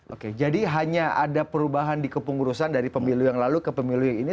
oke jadi hanya ada perubahan di kepengurusan dari pemilu yang lalu ke pemilu yang ini